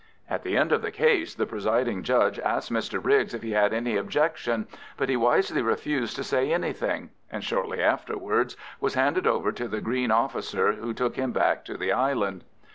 At the end of the case the presiding judge asked Mr Briggs if he had any objection, but he wisely refused to say anything, and shortly afterwards was handed over to the green officer, who took him back to the island.